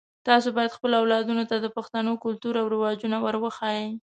تاسو باید خپلو اولادونو ته د پښتنو کلتور او رواجونه ور وښایئ